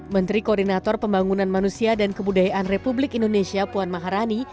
menteri koordinator pembangunan manusia dan kebudayaan republik indonesia puan maharani